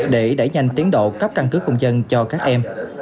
để đẩy nhanh tiến độ cấp căn cứ công dân cho các em